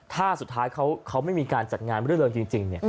ถ้าสุดท้ายเขาไม่มีการจัดงานรื่นเริงจริง